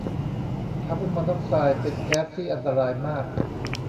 คาร์บอนมอนอกซ์ไซด์เป็นแก๊สที่อันตรายมาก